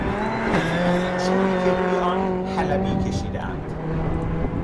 چوبی که روی آن حلبی کشیدهاند